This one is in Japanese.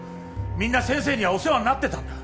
みんな先生にはお世話になってたんだ。